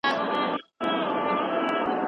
اوبه پاکي دي.